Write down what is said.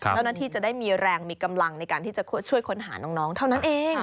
เจ้าหน้าที่จะได้มีแรงมีกำลังในการที่จะช่วยค้นหาน้องเท่านั้นเอง